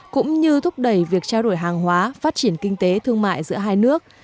cũng như thúc đẩy việc trao đổi hàng hóa phát triển kinh tế thương mại giữa hai nước